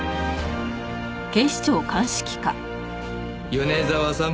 米沢さん。